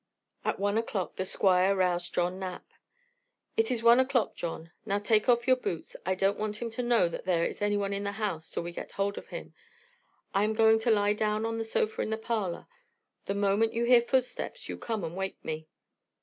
At one o'clock the Squire roused John Knapp. "It is one o'clock, John; now take off your boots. I don't want him to know that there is anyone in the house till we get hold of him. I am going to lie down on the sofa in the parlor. The moment you hear footsteps you come and wake me."